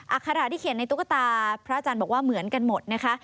อาคาระที่เขียนในตุ๊กตาพระอาจารย์บอกว่าเหมือนกันหมดนะคะ